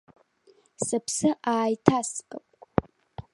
Сыԥсы ааиҭаскып.